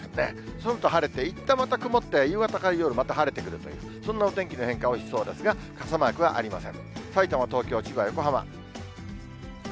そのあと晴れて、いったんまた曇って、夕方から夜、また晴れてくるという、そんなお天気の変化をしそうですが、傘マークはありません。